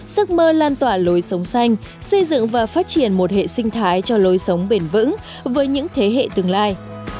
giấc mơ lan tỏa lối sống xanh xây dựng và phát triển một hệ sinh thái cho lối sống bền vững với những thế hệ tương lai